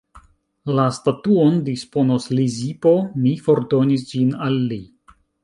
La statuon disponos Lizipo, mi fordonis ĝin al li.